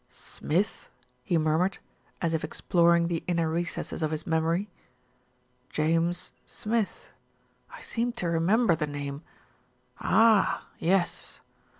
"Smith," he murmured, as if exploring the inner re cesses of his memory. "James Smith, I seem to remem ber the name. Ah ! yes.